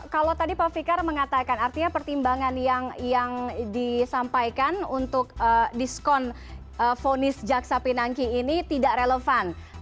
kalau tadi pak fikar mengatakan artinya pertimbangan yang disampaikan untuk diskon vonis jaksa pinangki ini tidak relevan